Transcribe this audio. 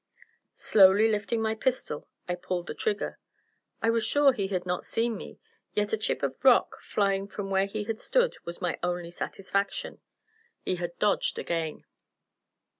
Slowly lifting my pistol, I pulled the trigger. I was sure he had not seen me, yet a chip of rock flying from where he had stood was my only satisfaction; he had dodged again.